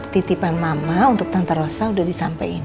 titipan mama untuk tante rosa udah disampein